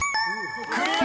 ［クリア！］